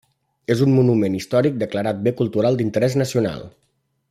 És un monument històric declarat bé cultural d'interès nacional.